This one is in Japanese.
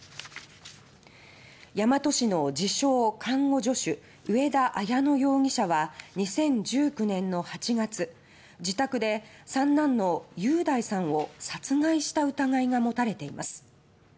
大和市の自称・看護助手上田綾乃容疑者は２０１９年の８月自宅で三男の雄大さんを殺害した疑いがもたれています。